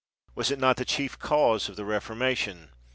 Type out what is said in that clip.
Was it not the chief cause of the Reformation?